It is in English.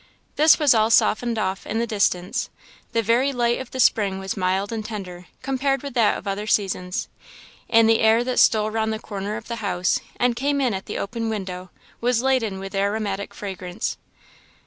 This was all softened off in the distance; the very light of the spring was mild and tender compared with that of other seasons; and the air that stole round the corner of the house and came in at the open window was laden with aromatic fragrance.